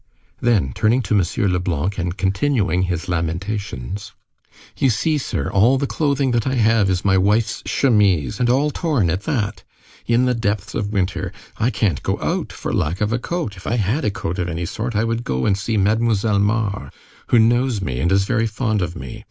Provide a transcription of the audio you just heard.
Then, turning to M. Leblanc, and continuing his lamentations:— "You see, sir! All the clothing that I have is my wife's chemise! And all torn at that! In the depths of winter! I can't go out for lack of a coat. If I had a coat of any sort, I would go and see Mademoiselle Mars, who knows me and is very fond of me.